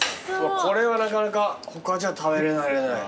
これはなかなか他じゃ食べれない。